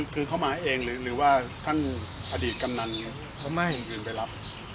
คือเค้ามาเองหรือว่าท่านอดีตกำนั้นยืนไปรับ